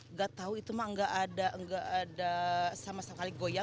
nggak tahu itu mah nggak ada sama sekali goyang